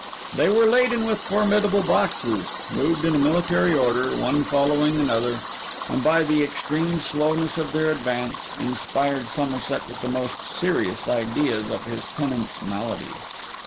They were laden with formidable boxes; moved in a military order, one following another; and, by the extreme slowness of their advance, inspired Somerset with the most serious ideas of his tenant's malady.